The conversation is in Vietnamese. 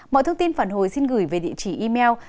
mọi thông tin phản hồi xin gửi về địa chỉ email